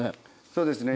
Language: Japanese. そうですね